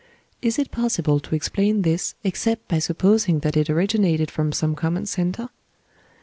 Is it possible to explain this except by supposing that it originated from some common centre?